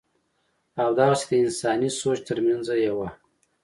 او دغسې دَانساني سوچ تر مېنځه يوه